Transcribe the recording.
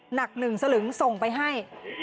หนักหนึ่งสลึงส่งไปให้